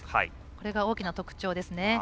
これが大きな特徴ですね。